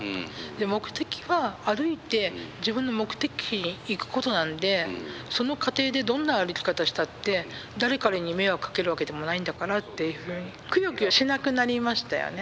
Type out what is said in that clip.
で目的は歩いて自分の目的地に行くことなんでその過程でどんな歩き方したって誰彼に迷惑かけるわけでもないんだからっていうふうにくよくよしなくなりましたよね。